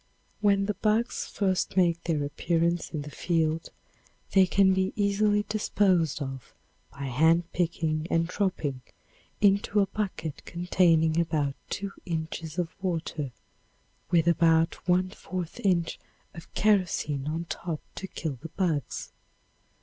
When the bugs first make their appearance in the field they can be easily disposed of by hand picking and dropping into a bucket containing about two inches of water with about one fourth inch of kerosene on top to kill the bugs.